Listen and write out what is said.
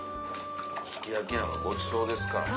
すき焼きごちそうですからね。